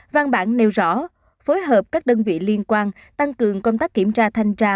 văn bản nêu rõ phối hợp các đơn vị liên quan tăng cường công tác kiểm tra thanh tra